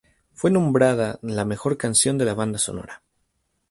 Fue nombrada la mejor canción de la banda sonora.